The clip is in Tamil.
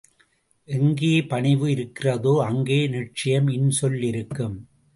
எங்கே பணிவு இருக்கிறதோ அங்கே நிச்சயம் இன்சொல் இருக்கும்.